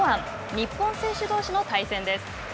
日本選手どうしの対戦です。